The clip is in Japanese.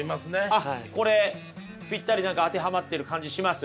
あっこれぴったり何か当てはまってる感じします？